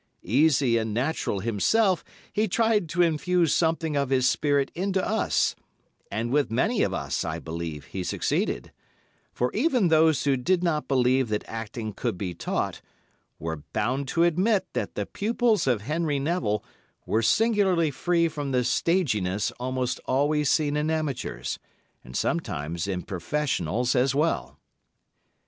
Easy and natural himself, he tried to infuse something of his spirit into us, and with many of us, I believe, he succeeded; for even those who did not believe that acting could be taught, were bound to admit that the pupils of Henry Neville were singularly free from the staginess almost always seen in amateurs, and sometimes in professionals as well.